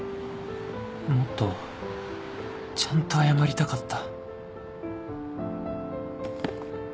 もっとちゃんと謝りたかった